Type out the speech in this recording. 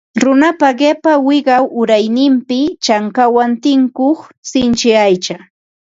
Runapa qipa wiqaw urayninpi chankawan tinkuq sinchi aycha